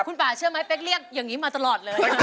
คุณป่าเชื่อไหมเป๊กเรียกอย่างนี้มาตลอดเลย